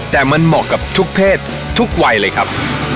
แต่มันเหมาะกับทุกเพศทุกวัยเลยครับ